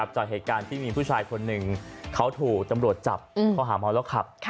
จากเหตุการณ์ที่มีผู้ชายคนหนึ่งเขาถูกตำรวจจับข้อหาเมาแล้วขับ